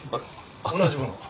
同じものを。